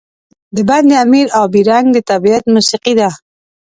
د بند امیر آبی رنګ د طبیعت موسيقي ده.